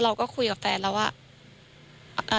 เราก็คุยกับแฟนแล้วว่า